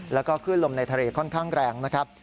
แล้วก็ขึ้นลมในทะเลค่อนข้างแรงนะครับ